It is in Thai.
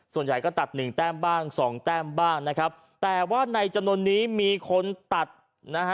ส่วนใหญ่ก็ตัดหนึ่งแต้มบ้างสองแต้มบ้างนะครับแต่ว่าในจำนวนนี้มีคนตัดนะฮะ